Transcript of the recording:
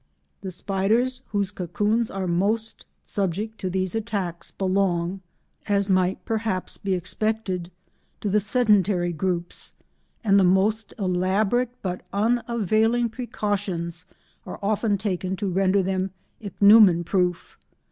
The spiders whose cocoons are most subject to these attacks belong, as might perhaps be expected, to the sedentary groups, and the most elaborate but unavailing precautions are often taken to render them Ichneumon proof.